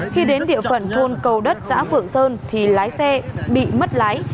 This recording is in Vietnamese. khi đến địa phận thôn cầu đất xã phượng sơn thì lái xe bị mất lái